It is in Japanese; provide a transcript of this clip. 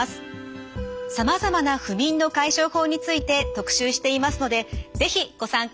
さまざまな不眠の解消法について特集していますので是非ご参考に。